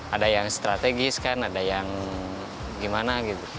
ada yang strategis kan ada yang gimana gitu